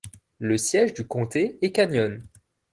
Le siège du comté est Canyon.